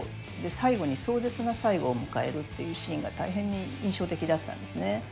最後に壮絶な最期を迎えるっていうシーンが大変に印象的だったんですね。